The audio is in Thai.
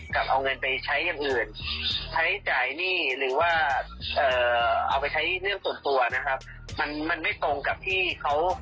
เกิดเขาตอนแรกเขาไม่เสียตนาอย่างนี้ได้เงินมาเพื่อที่จะไปรักษาตัวเขาจริงนะครับ